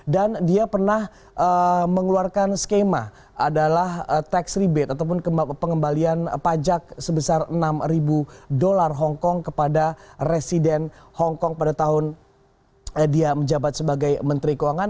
dan dia pernah mengeluarkan skema adalah tax rebate ataupun pengembalian pajak sebesar enam ribu dolar hong kong kepada residen hong kong pada tahun dia menjabat sebagai menteri keuangan